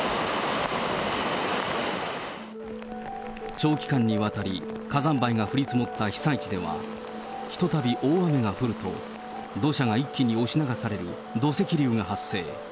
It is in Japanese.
長期間にわたり、火山灰が降り積もった被災地では、ひとたび大雨が降ると、土砂が一気に押し流される土石流が発生。